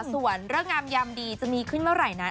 ส่วนเรื่องงามยามดีจะมีขึ้นเมื่อไหร่นั้น